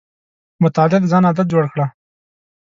مطالعه د ځان عادت جوړ کړه.